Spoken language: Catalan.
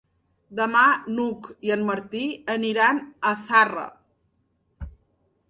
Demà n'Hug i en Martí aniran a Zarra.